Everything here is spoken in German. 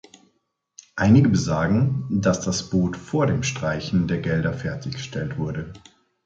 Einige besagen, dass das Boot vor dem Streichen der Gelder fertiggestellt wurde.